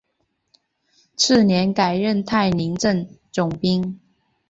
次年改任泰宁镇总兵。